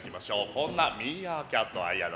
こんなミーアキャットは嫌だ。